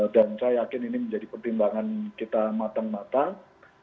dan saya yakin ini menjadi pertimbangan kita matang matang